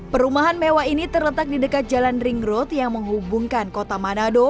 perumahan mewah ini terletak di dekat jalan ring road yang menghubungkan kota manado